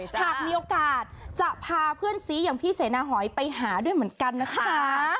หากมีโอกาสจะพาเพื่อนซีอย่างพี่เสนาหอยไปหาด้วยเหมือนกันนะคะ